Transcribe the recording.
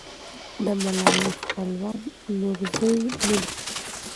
د ملالۍ خپلوان نورزي نه دي.